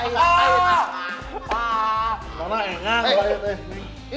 ini mau kemana di